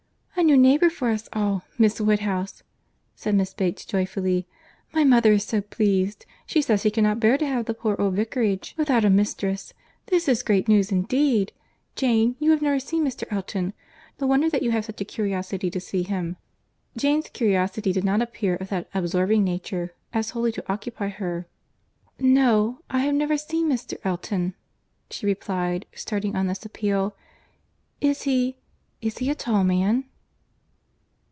"A new neighbour for us all, Miss Woodhouse!" said Miss Bates, joyfully; "my mother is so pleased!—she says she cannot bear to have the poor old Vicarage without a mistress. This is great news, indeed. Jane, you have never seen Mr. Elton!—no wonder that you have such a curiosity to see him." Jane's curiosity did not appear of that absorbing nature as wholly to occupy her. "No—I have never seen Mr. Elton," she replied, starting on this appeal; "is he—is he a tall man?"